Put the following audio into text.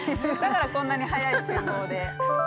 ◆だからこんなに早い集合で。